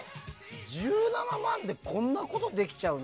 １７万でこんなことできちゃうの？